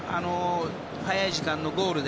早い時間のゴールで。